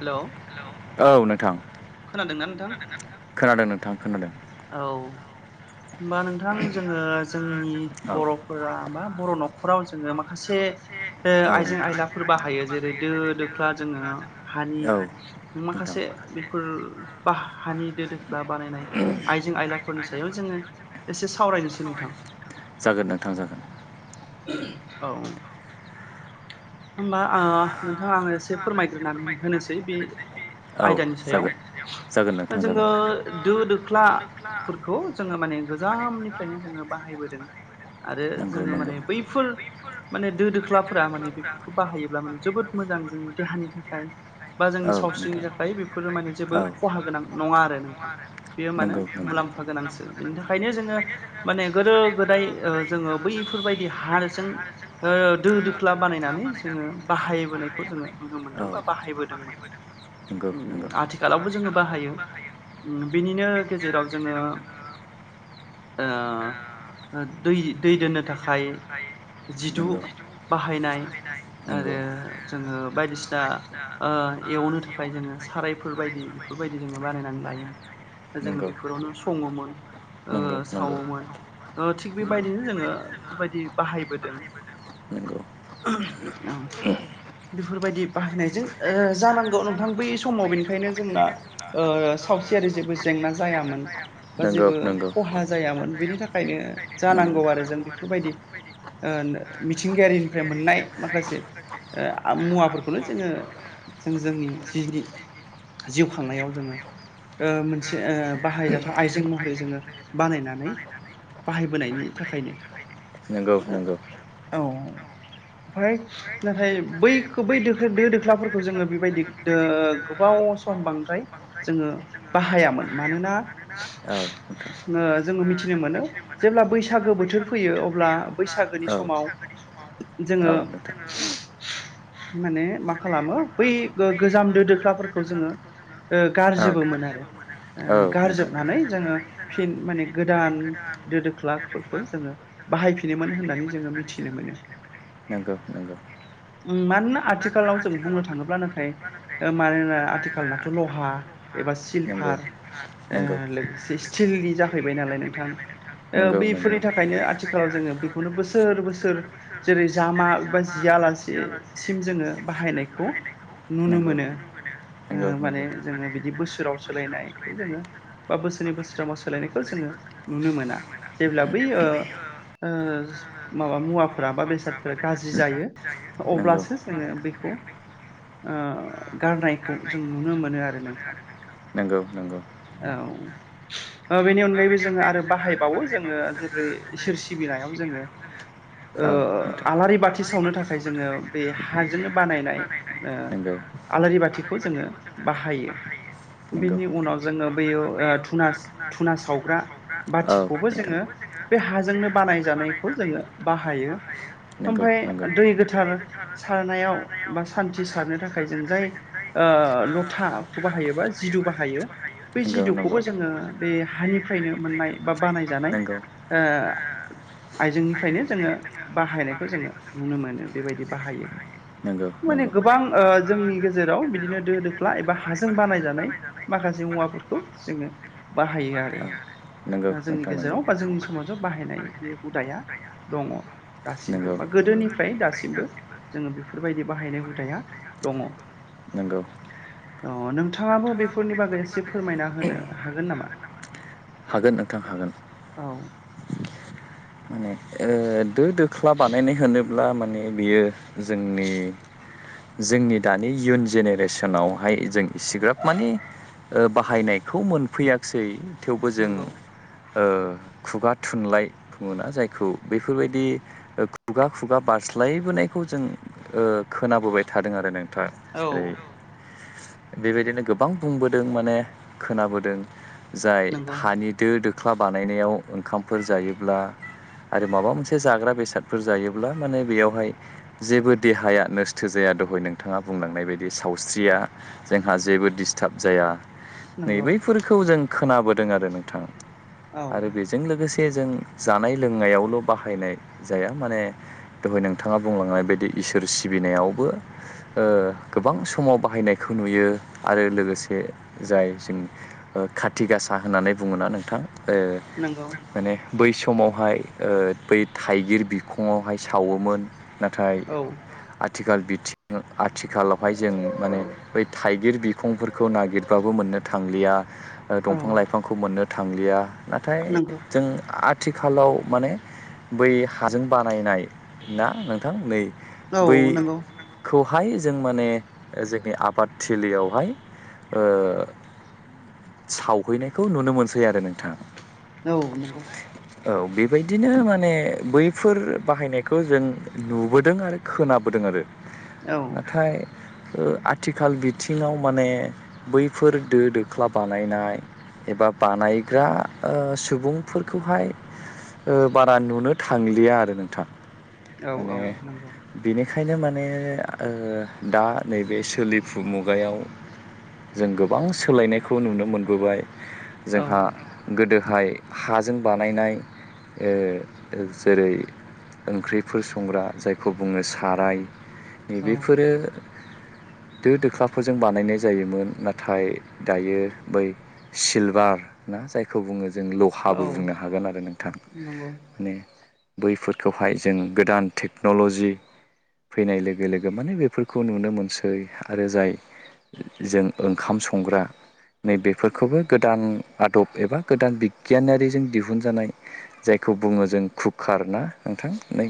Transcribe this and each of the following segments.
Hello औ नोंथां खोनादोंना नोंथां खोनादों नोंथां खोनादों। औ होमबा नोंथां जोङो जोंनि बर'फोरा बा बर' न'खराव जोङो माखासे ओ आइजें आयलाफोर बाहायो जेरै दो दोख्ला जोङो हानि माखासे बेफोर बा हानि दो दोख्ला बानायनाय आइजें आयलाफोरनि सायाव जोङो एसे सावरायनोसै नोंथां। औ होमबा ओ नोंथाङा आं एसे फोरमायग्रोनानै होनोसै बे आयदानि सायाव। जोङो दो दोख्लाफोरखौ जोङो माने गोजामनिफ्रायनो जोङो बाहायबोदों। आरो जोङो माने बैफोर माने दो दोख्लाफोरा माने बेफोर खौ बाहायोब्ला माने जोबोद मोजां जोंनि देहानि थाखाय बा जोंनि सावस्रिनि थाखाय बेफोरो माने जेबो खहा गोनां नङा आरो नोंथां। बेयो मानो मुलाम्फा गोनांसो बिनि थाखायनो जोङो माने गोदो गोदाय ओ जोङो बैफोरबायदि हाजों दो दोख्ला बानायनानै जोङो बाहायबोनायखौ जोङो नुनो मोनदों बा बाहायबोदोंमोन। आथिखालावबो जोङो बाहायो। बिनिनो गेजेराव जोङो ओ दै दै दोननो थाखाय जिदु बाहायनाय आरो जोङो बायदिसिना ओ एवनो थाखाय जोङो सारायफोर बायदि बेफोरबायदि जोङो बानायनानै लायोमोन। जोङो बेफोरावनो सङोमोन ओ सावोमोन ओ थिग बेबायदिनो जोङो बेफोरबायदि बाहायबोदों। औ बेफोरबायदि बाहायनायजों जानांगौ नोंथां बै समाव बेनिखायनो जोंना ओ सावस्रियारि जेबो जेंना जायामोन। बा जेबो खहा जायामोन बेनि थाखायनो जानांगौ आरो जों बेफोरबायदि मिथिंगायारिनिफ्राय मोननाय माखासे मुवाफोरखौनो जोङो जों जोंनि जिनि जिउ खांनायाव जोङो मोनसे बाहायजाथाव आइजें महरै जोङो बानायनानै बाहायबोनायनि थाखायनो नोंगौ नोंगौ। औ ओमफ्राय नाथाय बैखो बै दो दो दोख्लाफोरखौ जोङो बेबायदि ओ गोबाव समबांद्राय जोङो बाहायामोन मानोना जोङो मिथिनो मोनो जेब्ला बैसागो बोथोर फैयो अब्ला बैसागोनि समाव [unintelligible] औे नोंथां। माने मा खालामो बै गोजाम दो दोख्लाफोरखौ जोङो गारजोबोमोन आरो। गारजोबनानै जोङो फिन माने गोदान दो दोख्लाफोरखौ जोङो बाहायफिनोमोन होननानै जोङो मिथिनो मोनो। नंगौ नंगौ। [unintelligible] मानोना आथिखालाव जों बुंनो थाङोब्ला नाथाय मानोना आथिखालनाथ' लहा एबा सिलभार ओ लोगोसे स्टिलनि जाहैबाय नालाय नोंथां। ओ बेफोरनि थाखायनो आथिखालाव जोङो बेखौनो बोसोर बोसोर जेरै जामा बा जियालासे सिम जोङो बाहायनायखौ नुनो मोनो माने जोङो बिदि बोसोराव सोलायनायखौ जोङो बा बोसोरनै बोसोरथामाव सोलायनायखौ जोङो नुनो मोना जेब्ला बै ओ ओ माबा मुवाफोरा बा बेस बेसादफोरा गाज्रि जायो अब्लासो जोङो बेखौ गारनायखौ जों नुनो मोनो आरो नोंथां। नंगौ नंगौ औ बेनि अनगायैबो जोङो आरो बाहायबावो जोङो जेबै इसोर सिबिनायाव जोङो आलारि बाथि सावनो थाखाय जोङो बे हाजोंनो बानायनाय आलारि बाथिखौ जोङो बाहायो। बेनि उनाव जोङो बयो धुना धुना सावग्रा बाथिखौबो जोङो बे हाजोंनो बानायजानायखौ जोङो बाहायो। ओमफखय दै गोथार सारनायाव बा सान्थि सारनो थाखाय जों जाय लथाखौ बाहायोबा जिदु बाहायो। बै जिदुखौबो जोङो बे हानिफ्रायनो मोननाय बा बानायजानाय आइजेंनिफ्रायनो जोङो बाहायनाय खौ जोङो नुनो मोनो बेबायदि बाहायो। माने गोबां जोंनि गेजेराव बिदिनो दो दोख्ला एबा हाजों बानायजानाय माखासे मुवाफोरखौ जोङो बाहायो आरो। जोंनि गेजेराव बा जोंनि समाजाव बाहायनाय बे हुदाया दङ दासिमबो। बा गोदोनिफ्राय दासिमबो जोङो बेफोरबायदि बाहायनाय हुदाया दङ। नोंगौ अ नोंथाङाबो बेफोरनि बागै एसे फोरमायना होनो हागोन नामा? हागोन नोंथां हागोन। दो दोख्ला बानायनाय होनोब्ला माने बियो जोंनि जोंनि दानि इयुन जेनेरेसनावहाय जों इसिग्राब मानि बाहायनायखौ मोनफैयाखसै थेवबो जों खुगा थुनलाइ बुङोना जायखौ बेफोरबायदि खुगा खुगा बारस्लायबोनायखौ जों खोनाबोबाय थादों आरो नों थां जेरै बेबायदिनो गोबां बुंबोदों माने खोनाबोदों। जाय हानि दो दोख्ला बानायनायाव ओंखामफोर जायोब्ला आरो माबा मोनसे जाग्रा बेसादफोर जायोब्ला माने बेयावहाय जेबो देहाया नोस्थो जाया [unintelligible] हय नोंथाङा बुंलांनाय बायदि सावस्रिया जोंहा जेबो डिस्टार्ब जाया। नैबैफोरखौ जों खोनाबोदों आरो नोंथां आरो बेजों लोगोसे जों जानाय लोंनायाव ल' बाहायनाय जाया माने दहाय नोंथाङा बुंलांनाय बायदि इसोर सिबिनायावबो गोबां समाव बाहायनायखौ नुयो आरो लोगोसे जाय जों खाथि गासा होननानै बुङोना नोंथां माने बै समावहाय बै थाइगिर बिखङावहाय सावोमोन। नाथाय आथिखाल आथिखालाव बेहाय जों माने बै थाइगिर बिखंफोरखौ नागिरबाबो मोननो थांलिया दंफां लाइफां लाइफांखौ मोननो थांलिया नाथाय जों आथिखालाव माने बै हाजों बानायनाय ना नोंथां नै बैखौ वहाय जों माने जोंनि आबादथिलियावहाय सावहैनायखौ नुनो मोनसै आरो नोंथां। औ नोंगौ बेबायदिनो माने बैफोर बाहायनायखौ जों नुबोदों आरो खोनाबोदों आरो। नाथाय आथिखाल बिथिङाव माने बैफोर दो दोख्ला बानायनाय एबा बानायग्रा सुबुंफोरखौहाय बारा नुनो थांलिया आरो नोंथां माने बिनिखायनो माने माने ओ दा नैबे सोलिफु मुगायाव जों गोबां सोलायनायखौ नुनो मोनबोबाय। जोंहा गोदोहाय हाजों बानायनाय ओ जेरै ओंख्रिफोर संग्रा जायखौ बुङो साराय नैबेफोरो [inaudible] दो दोख्लाफोरजों बानायनाय जायोमोन नाथाय दायो बै सिलभार ना जायखौ बुङो जों लहाबो बुंनो हागोन आरो नोंथां। नंगौ बैफोरखौहाय जों गोदान टेक्न'ल'जि फैनाय लोगो लोगो माने बेफोरखौ नुनो मोनसै आरो जाय जों ओंखाम संग्रा नैबेफोरखौबो गोदान आदब एबा गोदान बिगियानारिजों दिहुनजानाय जायखौ बुङो जों कुकार ना नोंथां। नै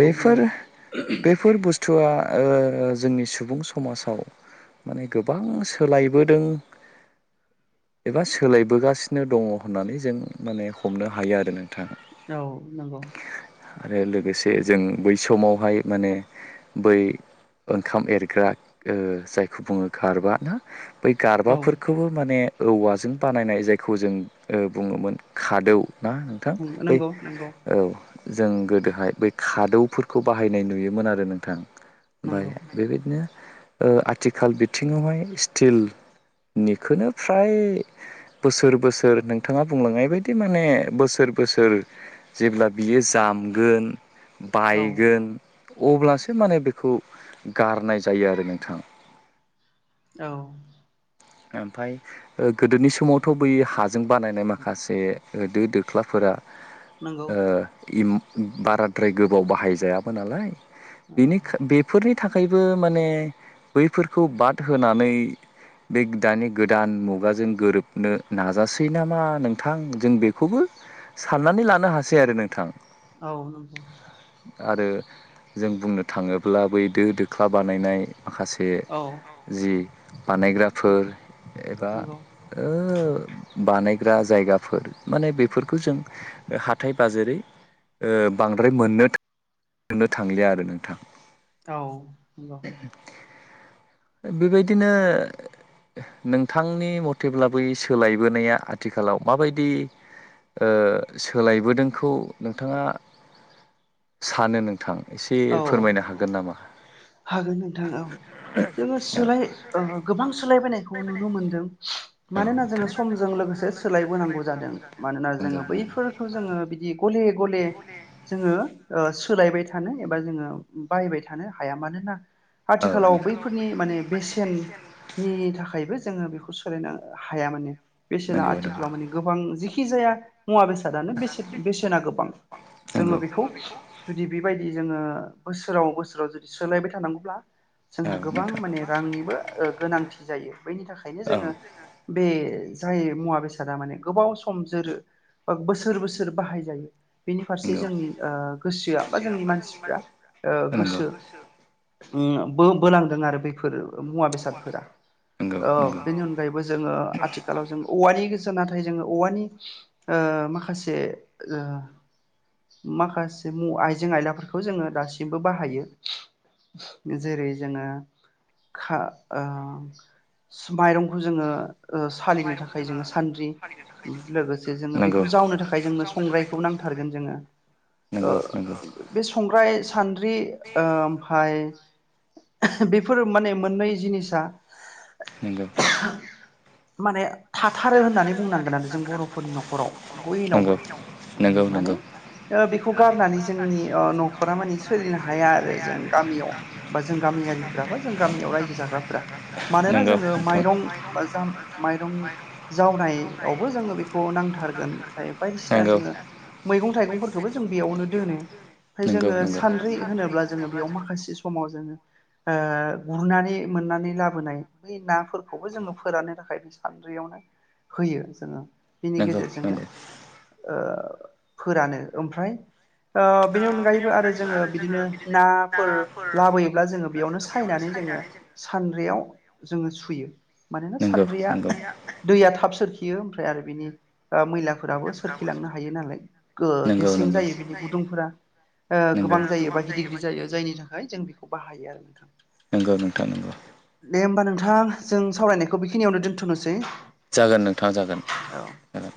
बेफोर बेफोर बुस्थुआ ओ जोंनि सुबुं समाजाव माने गोबां सोलायबोदों एबा सोलायबोगासिनो दङ' होननानै जों माने हमनो हायो आरो नोंथां। औ नंगौ। आरो लोगोसे जों बै समावहाय माने बै ओंखाम एरग्रा जायखौ ओ बुङो गारबा ना बै गारबाफोरखौबो माने औवाजों बानायनाय जायखौ जों ओ बुङोमोन खादौ ना नोंथां बै औ जों गोदोहाय बै खादौफोरखौ बाहायनाय नुयोमोन आरो नोंथां। ओमफ्राय बेबायदिनो ओ आथिखाल बिथिङावहाय स्टिल निखौनो फ्राय बोसोर बोसोर नोंथाङा बुंलांनाय बायदि माने बोसोर बोसोर जेब्ला बियो जामगोन बायगोन अब्लासो माने बेखौ गारनाय जायो आरो नोंथां। औ ओमफाय ओ गोदोनि समावथ' बै हाजों बानायनाय माखासे दो दोख्लाफोरा ओ खम बाराद्राय गोबाव बाहायजायाबो नालाय बेनिखो बेफोरनि थाखायबो माने बैफोरखौ बाद होनानै बे दानि गोदान मुगाजों गोरोबनो नाजासै नामा नोंथां जों बेखौबो साननानै लानो हासै आरो नोंथां। औ नंगौ। आरो जों बुंनो थाङोब्ला बै दो दोख्ला बानायनाय माखासे जि बानाय फोर एबा ओ बानायग्रा जायगाफोर माने बेफोरखौ जों हाथाय बाजेरै ओ बांद्राय मोननो मोननो थांलिया आरो नोंथां। औ नंगौ। बेबायदिनो नोंथांनि मथेब्ला बै सोलायबोनाया आथिखालाव माबायदि ओ सोलायबोदोंखौ नोंथाङा सानो नों थां एसे फोरमायनो हागोन नामा? हागोन नोंथां औ जोङो सोलाय ओ गोबां सोलाय खौ नुनो मोनदों मानोना जोङो समजों लोगोसे सोलायबोनांगौ जादों मानोना जोङो बै फोरखौ जोङो बिदि गले गले जोङो ओ सोलायबाय थानो एबा जोङो बाहायबाय थानो हाया मानोना आथिखालाव बैफोरनि माने बेसेननि थाखायबो जोङो बेखौ सोलायनो हाया माने बेसेना आथिखालाव माने गोबां जेखि जाया मुवा बेसादानो बेसे बेसेना गोबां जोङो बेखौ जुदि बेबाय- दि जोङो बोसोराव बोसोराव जुदि सोलायबाय थानांगौब्ला जोंहा गोबां माने रांनिबो गोनांथि जायो बेनि थाखायनो जोङो बे जाय मुवा बेसादा माने गोबाव सम जोरो बोसोर बोसोर बाहायजायो। बेनि फारसे जोंनि ओ गोसोआ बा जोंनि मानसिफ्रा ओ गोसो ओम बो बोलांदों आरो बैफोर मुवा-बेसादफोरा ओ बेनि अनगायैबो जोङो आथिखालाव जों औवानि सो नाथाय जोङो औवानि ओ माखासे ओ माखासे मुं आइजें-आयलाफोरखौ जोङो दासिमबो बाहायो। जेरै जोङो खां ओ माइरंखौ जोङो ओ सालिनो थाखाय जोङो सानद्रि लोगोसे जोङो बेखौ जावनो थाखाय जोंनो संग्रायखौ नोंथां थारगोन जोङो ओ बे संग्राय सान्द्रि ओमफाय बेफोर माने मोननै जिनिसा नोंगौ थारो होननानै बुंनांगोन आरो जों बर'फोरनि न'खराव बयनावबो माने ओ बेखौ गारनानै जोंनि ओ न'फोरा माने सोलिनो हाया आरो जों गामियाव बा जों गामियारिफोरा बा जों गामियाव रायजो जाग्राफोरा मानोना जोङो माइरं [unintelligible] यावबो जोङो बेखौ नांथारगोन ओमफ्राय बायदिसिना जोङो मैगं थाइगंफोरखौबो जों बेयावनो दोनो ओमफाय जोङो सानद्रि होनोब्ला जोङो बेयाव माखासे समाव जोङो ओ गुरनानै मोननानै लाबोनाय बै नाफोरखौबो जोङो फोराननो थाखाय बे सान्द्रियावनो होयो जोङो बिनि गेजेरजोंनो ओ फोरानो ओमफ्राय ओ बेनि अनगायैबो आरो जोङो बिदिनो ना फोर लाबोयोब्ला जोङो बेयावनो सायनानै जोङो सानद्रियाव जोङो सुयो। मानोना सान्द्रिया दैया थाब सोरखियो ओमफ्राय आरो बिनि ओ मैला फोराबो सोरखिलांनो हायो नालाय गो गेसें जायो बिनि गुदुंफोरा ओ गोबां जायो बा गिदि गिदि जायो जायनि थाखाय जों बेखौ बाहायो आरो नोंथा। नंगौ नोंथां नंगौ थां जों सावरायनायखौ बेखिनियावनो दोन्थ'नोसै जागोन नोंथां जागोन जागोन।